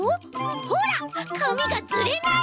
ほらかみがズレない！